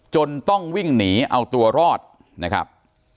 จนต้องวิ่งหนีเอาตัวรอดนะครับ